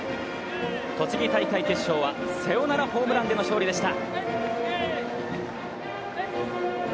栃木大会決勝はサヨナラホームランでの勝利でした。